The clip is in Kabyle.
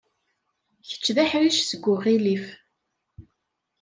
Kečč d aḥric seg uɣilif.